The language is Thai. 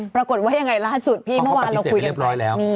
ปรากฏว่ายังไงล่าสุดพี่เมื่อวานเราคุยกันไปนี่พ่อปฏิเสธไปเรียบร้อยแล้ว